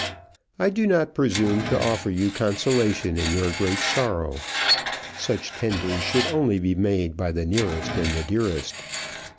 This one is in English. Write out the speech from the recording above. I do not presume to offer you consolation in your great sorrow. Such tenders should only be made by the nearest and the dearest.